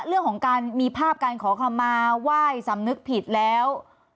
เรื่องของการมีภาพการขอคำมาไหว้สำนึกผิดแล้ว